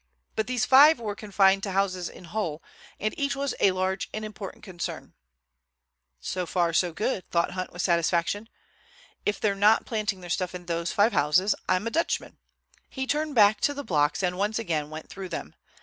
But these five were confined to houses in Hull, and each was a large and important concern. "So far, so good," thought Hunt, with satisfaction. "If they're not planting their stuff in those five houses, I'm a Dutchman!" He turned back to the blocks and once again went through them.